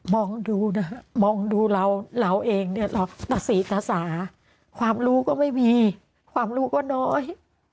มองดูนะมองดูเราเราเองเนี่ยเราตะสีตาสาความรู้ก็ไม่มีความรู้ก็น้อย